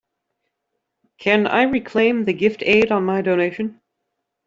Can I reclaim the gift aid on my donation?